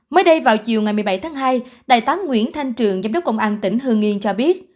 mới đây vào chiều ngày một mươi bảy tháng hai đại tá nguyễn thanh trường giám đốc công an tỉnh hương yên cho biết